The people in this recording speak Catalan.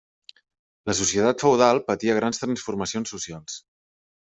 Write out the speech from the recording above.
La societat feudal patia grans transformacions socials.